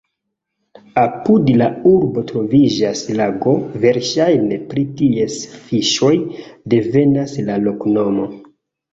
Apud la urbo troviĝas lago, verŝajne pri ties fiŝoj devenas la loknomo.